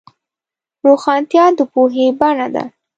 روښانتیا د پوهې بڼه ده.